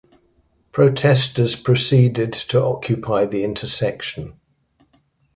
Protesters proceeded to occupy the intersection.